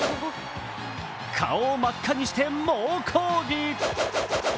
顔を真っ赤にして猛抗議。